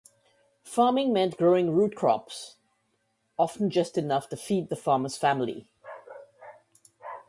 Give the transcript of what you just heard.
Farming meant growing root crops-often just enough to feed the farmer's family.